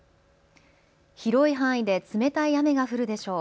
広い範囲で冷たい雨が降るでしょう。